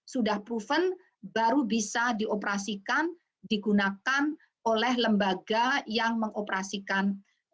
sudah proven baru bisa dioperasikan digunakan oleh lembaga yang mengoperasikan